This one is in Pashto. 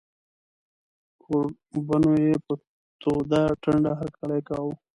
کوربنو یې په توده ټنډه هرکلی کاوه.